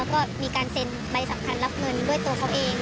ก็มีการเซ็นใบสำคัญรับเงินด้วยตัวเขาเอง